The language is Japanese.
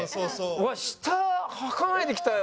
うわっ下はかないで来たよ。